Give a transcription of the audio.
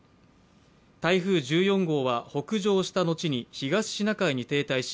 台風１４号は北上したのちに東シナ海に停滞し